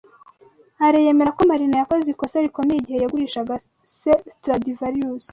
Alain yemera ko Marina yakoze ikosa rikomeye igihe yagurishaga se Stradivarius.